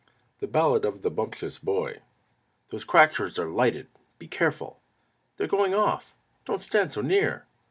THE BALLAD OF THE BUMPTIOUS BOY "Those crackers are lighted! Be careful! They're going off don't stand so near!"